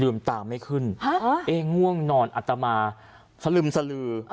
เอ๊ลืมตาไม่ขึ้นเอ๊ง่วงนอนอัตมาสลึมสลือ